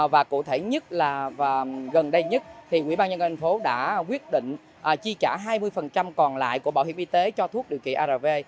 và cụ thể nhất là gần đây nhất nguyễn ban nhân công an phố đã quyết định chi trả hai mươi còn lại của bảo hiểm y tế cho thuốc điều trị arv